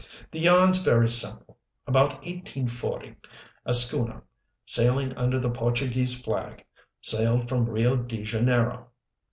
"The yarn's very simple. About 1840, a schooner, sailing under the Portuguese flag, sailed from Rio de Janeiro.